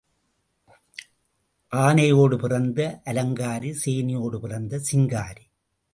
ஆனையோடு பிறந்த அலங்காரி, சேனையோடு பிறந்த சிங்காரி.